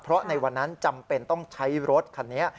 เพราะในวันนั้นจำเป็นต้องใช้รถคันนี้